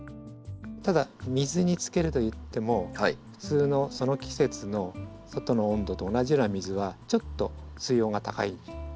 ただ水につけるといっても普通のその季節の外の温度と同じような水はちょっと水温が高い。